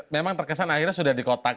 memang terkesan akhirnya sudah dikotakan